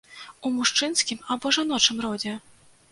У мужчынскім або жаночым родзе?